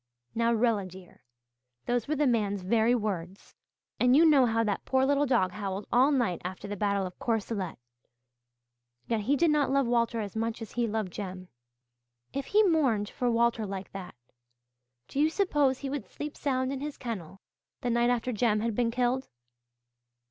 Now Rilla dear, those were the man's very words. And you know how that poor little dog howled all night after the battle of Courcelette. Yet he did not love Walter as much as he loved Jem. If he mourned for Walter like that, do you suppose he would sleep sound in his kennel the night after Jem had been killed?